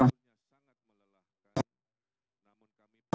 dan juga tentang kemampuan kita untuk mencapai kemampuan kita